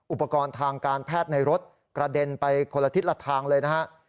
อุปกรณ์ทางการแพทย์ในรถกระเด็นไปคนละทิศละทางเลยนะฮะ